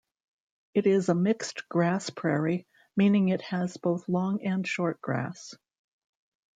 It is a mixed grass prairie, meaning it has both long and short grass.